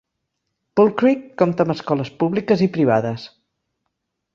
Bull Creek compta amb escoles públiques i privades.